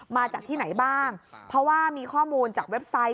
มาจากที่ไหนบ้างเพราะว่ามีข้อมูลจากเว็บไซต์